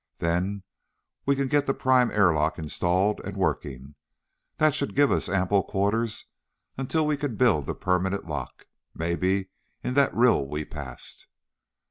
Then we can get the prime airlock installed and working. That should give us ample quarters until we can build the permanent lock maybe in that rill we passed."